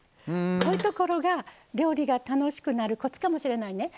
こういうところが料理が楽しくなるコツかもしれないね。